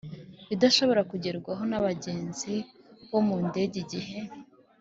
Idashobora kugerwaho n abagenzi bo mu ndege igihe